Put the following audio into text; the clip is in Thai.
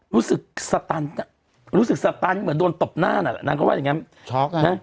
รู้สึกสตันด์รู้สึกสตันด์เหมือนโดนตบหน้าน่ะนางเขาว่าอย่างงี้ช็อค